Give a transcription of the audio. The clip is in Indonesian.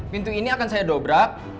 pintu ini akan saya dobrak